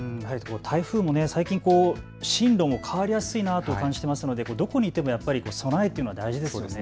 台風も最近、進路も変わりやすいなと感じていますのでどこにいても備えというのは大事ですよね。